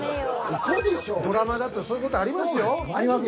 ドラマだとそういう事ありますよ。